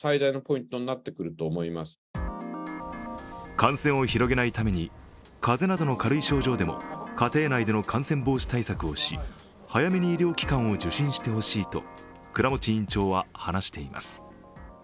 感染を広げないために風邪などの軽い症状でも家庭内での感染防止対策をし、早めに医療機関を受診してほしいと倉持院長は話しています。